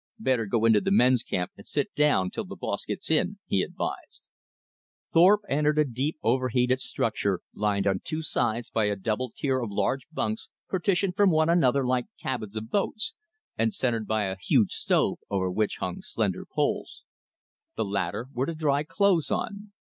"Better go into the men's camp and sit down 'till th' boss gets in," he advised. Thorpe entered a dim, over heated structure, lined on two sides by a double tier of large bunks partitioned from one another like cabins of boats, and centered by a huge stove over which hung slender poles. The latter were to dry clothes on.